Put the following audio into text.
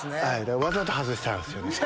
わざと外したんすよ。